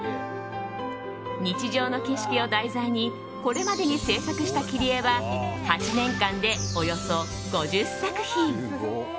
日常の景色を題材にこれまでに制作した切り絵は８年間で、およそ５０作品。